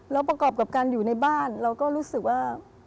แล้วประกอบกับการอยู่ในบ้านเราก็รู้สึกว่า